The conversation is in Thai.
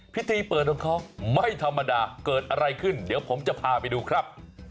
พิธีเปิดของเขาไม่ธรรมดาเกิดอะไรขึ้นเดี๋ยวผมจะพาไปดูครับ